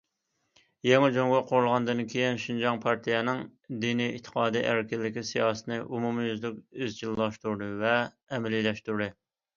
يېڭى جۇڭگو قۇرۇلغاندىن كېيىن شىنجاڭ پارتىيەنىڭ دىنىي ئېتىقاد ئەركىنلىكى سىياسىتىنى ئومۇميۈزلۈك ئىزچىللاشتۇردى ۋە ئەمەلىيلەشتۈردى.